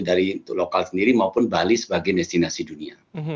dari lokal sendiri maupun bali sebagai destinasi dunia